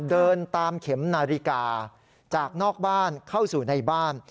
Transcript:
เดินตามเข็มนาฬิกาจากนอกบ้านเข้าสู่ในบ้าน